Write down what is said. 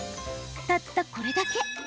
たったこれだけ。